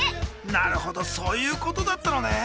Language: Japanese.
なるほどそういうことだったのね。